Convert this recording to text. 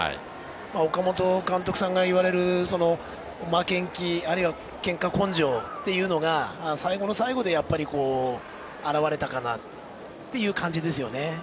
岡本監督さんが言われる負けん気あるいはけんか根性というのが最後の最後で表れたかなという感じですよね。